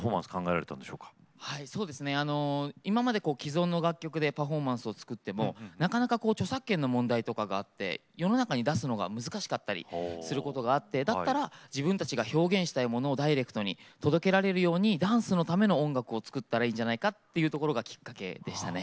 そうですね今まで既存の楽曲でパフォーマンスを作ってもなかなか著作権の問題とかがあって世の中に出すのが難しかったりすることがあってだったら自分たちが表現したいものをダイレクトに届けられるようにダンスのための音楽を作ったらいいんじゃないかっていうところがきっかけでしたね。